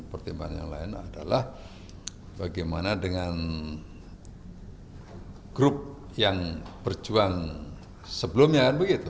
pertimbangan yang lain adalah bagaimana dengan grup yang berjuang sebelumnya